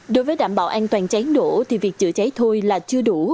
đối với đảm bảo an toàn cháy nổ thì việc chữa cháy thôi là chưa đủ